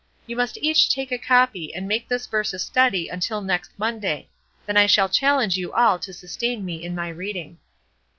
You must each take a copy and make this verse a study until next Monday; then I shall challenge you all to sustain me in my reading."